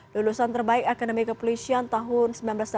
lulusan terbaik akademi kepolisian tahun seribu sembilan ratus delapan puluh